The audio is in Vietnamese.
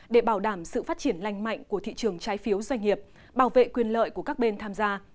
để bảo đảm sự phát triển lành mạnh của thị trường trái phiếu doanh nghiệp bảo vệ quyền lợi của các bên tham gia